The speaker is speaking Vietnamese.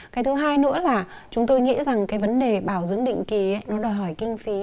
cái thứ hai nữa là chúng tôi nghĩ rằng cái vấn đề bảo dưỡng định kỳ nó đòi hỏi kinh phí